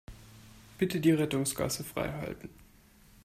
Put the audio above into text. Bitte die Rettungsgasse freihalten.